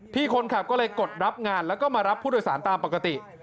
พี่คนขับก็เลยกดรับงานแล้วก็มารับผู้โดยสารตามปกติ